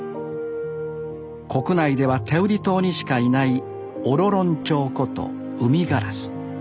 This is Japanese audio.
国内では天売島にしかいないオロロン鳥ことウミガラス。